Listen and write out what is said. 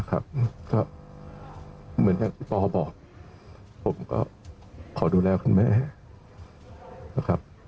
ก็เหมือนอย่างที่ปอบอกผมก็ขอดูแลคุณแม่นะครับ